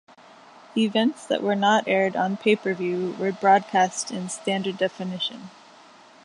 Events that were not aired on pay-per-view were broadcast in standard definition.